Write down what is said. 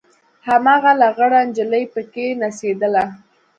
هماغه لغړه نجلۍ پکښې نڅېدله.